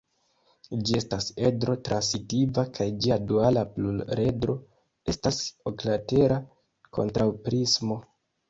Ĝi estas edro-transitiva kaj ĝia duala pluredro estas oklatera kontraŭprismo.